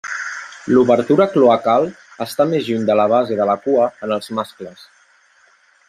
L'obertura cloacal està més lluny de la base de la cua en els mascles.